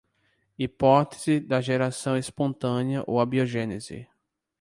Hipótese da geração espontânea ou abiogênese